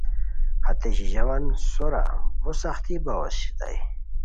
ہتے ژیژاوان سورا بو سختی باؤ اسیتائے